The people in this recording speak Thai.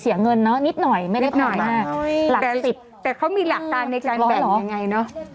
แต่เค้ามีหลักตาในการแบ่งยังไงเนอะ